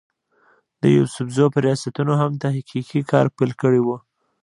د يوسفزو پۀ رياستونو هم تحقيقي کار پېل کړی وو